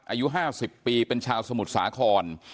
อายุ๕๐ปีเป็นชาวสมุทรสาคร